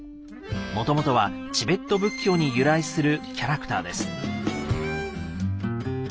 もともとはチベット仏教に由来するキャラクターです。